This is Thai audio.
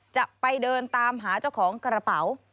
จะไปเดินตามหาเจ้าของกระเป๋า